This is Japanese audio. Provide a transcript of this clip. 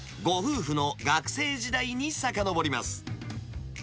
きっかけは、ご夫婦の学生時代にさかのぼります。